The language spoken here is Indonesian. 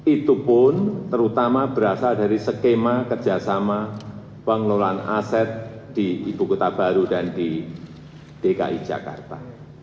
itu pun terutama berasal dari skema kerjasama pengelolaan aset di ibu kota baru dan di dki jakarta